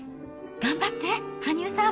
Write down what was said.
頑張って、羽生さん。